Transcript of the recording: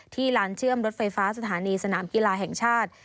ลานเชื่อมรถไฟฟ้าสถานีสนามกีฬาแห่งชาติ